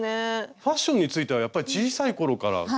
ファッションについてはやっぱり小さい頃から興味があったんですか？